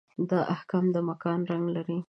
دا احکام د مکان رنګ لري.